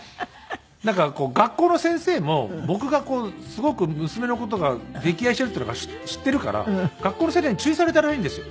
なんか学校の先生も僕がすごく娘の事が溺愛しているってなんか知っているから学校の先生に注意されたらしいんですよ。